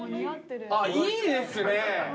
あっいいですね。